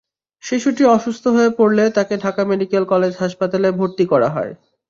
শিশুটি অসুস্থ হয়ে পড়লে তাকে ঢাকা মেডিকেল কলেজ হাসপাতালে ভর্তি করা হয়।